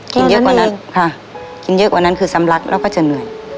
เยอะกว่านั้นค่ะกินเยอะกว่านั้นคือสำลักแล้วก็จะเหนื่อย